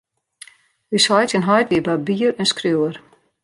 Us heit syn heit wie barbier en skriuwer.